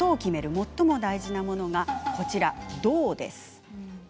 最も大事なものがこちら、胴です。